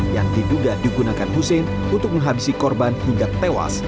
yang diduga digunakan hussein untuk menghabisi korban hingga tewas